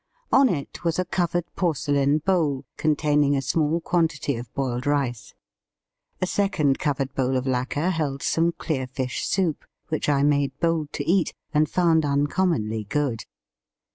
On it was a covered porcelain bowl, containing a small quantity of boiled rice. A second covered bowl of lacquer held some clear fish soup, which I made bold to eat, and found uncommonly good.